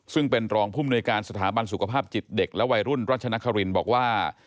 ซึ่งเป็นรองภูมิหน่วยการสถาบันสุขภาพจิตเด็กและวัยรุ่นรัชนครินบอกว่า